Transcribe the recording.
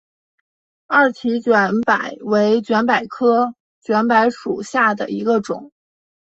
二歧卷柏为卷柏科卷柏属下的一个种。